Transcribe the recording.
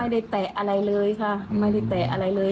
แตะอะไรเลยค่ะไม่ได้แตะอะไรเลย